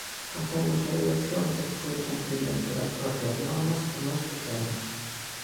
Facemos oídos xordos co incumprimento das propias normas que nós fixemos.